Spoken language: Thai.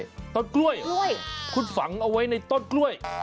มีต็อตกล้วยคุณฝังเอาไว้ในต็อตกล้วย